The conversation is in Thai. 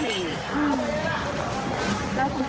เพราะว่าธรรมดามันแสนกี่